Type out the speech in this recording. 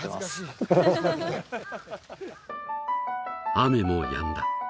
雨もやんだ